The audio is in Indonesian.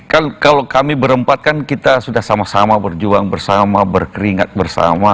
kan kalau kami berempat kan kita sudah sama sama berjuang bersama berkeringat bersama